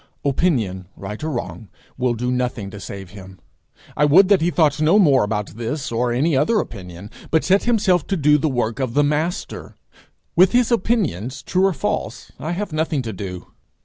Opinion, right or wrong, will do nothing to save him. I would that he thought no more about this or any other opinion, but set himself to do the work of the Master. With his opinions, true or false, I have nothing to do.